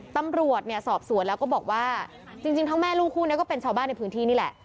ตำรวจเนี่ยสอบสวนแล้วก็บอกว่าจริงทั้งแม่ลูกคู่นี้ก็เป็นชาวบ้านในพื้นที่นี่แหละ